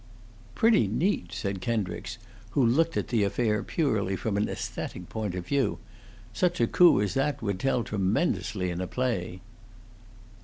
"Pretty neat," said Kendricks, who looked at the affair purely from an aesthetic point of view. "Such a coup as that would tell tremendously in a play."